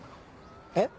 えっ？